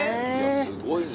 すごいな。